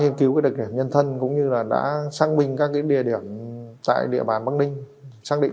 căn cứ quyết định khiến cơ quan điều tra tin rằng